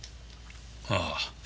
ああ。